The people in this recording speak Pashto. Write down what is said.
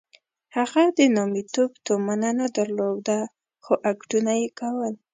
هغه د نامیتوب تومنه نه درلوده خو اکټونه یې کول.